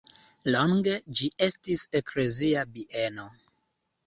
Longe ĝi estis eklezia bieno.